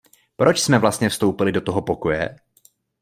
Proč jsme vlastně vstoupili do tohoto pokoje?